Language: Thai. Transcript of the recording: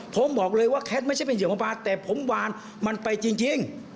ผมบอกเลยว่าแคทไม่ใช่เป็นเหยื่อของปลาแต่ผมวานมันไปจริง